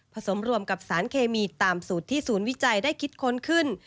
สมรวมกับสารเคมีตามสูตรที่ศูนย์วิจัยได้คิดค้นขึ้น